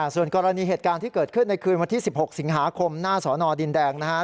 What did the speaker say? ส่วนกรณีเหตุการณ์ที่เกิดขึ้นในคืนวันที่๑๖สิงหาคมหน้าสอนอดินแดงนะฮะ